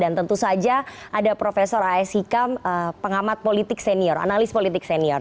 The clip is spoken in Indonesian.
dan tentu saja ada profesor a s hikam pengamat politik senior analis politik senior